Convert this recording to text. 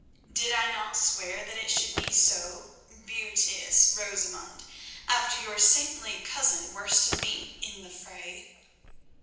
"Did I not swear that it should be so, beauteous Rosamund, after your saintly cousin worsted me in the fray?"